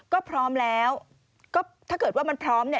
ก็พร้อมแล้วก็ถ้าเกิดว่ามันพร้อมเนี่ย